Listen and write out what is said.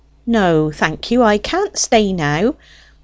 "No, thank you, I can't stay now.